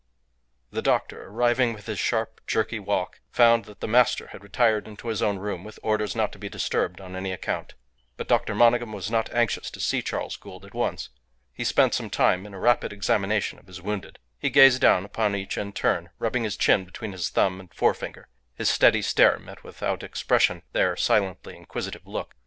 The doctor, arriving with his sharp, jerky walk, found that the master had retired into his own room with orders not to be disturbed on any account. But Dr. Monygham was not anxious to see Charles Gould at once. He spent some time in a rapid examination of his wounded. He gazed down upon each in turn, rubbing his chin between his thumb and forefinger; his steady stare met without expression their silently inquisitive look.